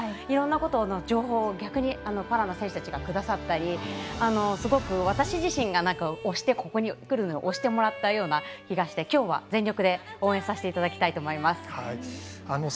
いろんなことの情報を逆にパラの選手たちがくださったり、私自身がここに来るのを押してもらったような気がして今日は全力で応援させていただきたいと思います。